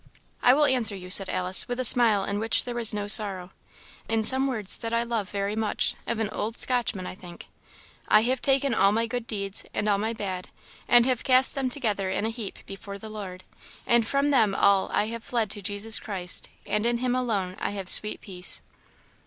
"I will answer you," said Alice, with a smile in which there was no sorrow, "in some words that I love very much, of an old Scotchman, I think; 'I have taken all my good deeds and all my bad, and have cast them together in a heap before the Lord; and from them all I have fled to Jesus Christ, and in him alone I have sweet peace.'